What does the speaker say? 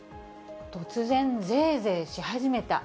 突然ぜーぜーし始めた。